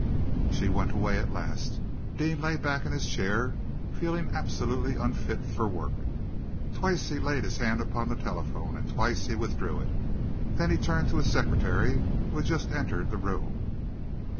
She went away at last. Deane lay back in his chair, feeling absolutely unfit for work. Twice he laid his hand upon the telephone, and twice he withdrew it. Then he turned to his secretary, who had just entered the room.